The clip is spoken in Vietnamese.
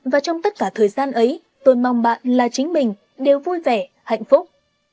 và trong tất cả thời gian ấy tôi mong bạn là chính mình đều vui vẻ hạnh phúc